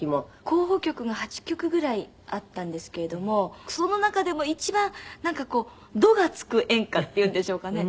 候補曲が８曲ぐらいあったんですけれどもその中でも一番なんかこう「ど」がつく演歌っていうんでしょうかね。